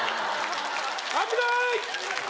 危ない！